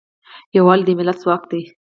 یوالی د ملت ځواک دی.